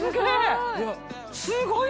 すごい！